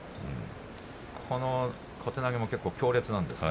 この小手投げも結構、強烈なんです